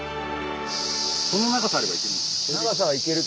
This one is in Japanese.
この長さあればいける？